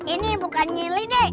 ini bukan nyili deh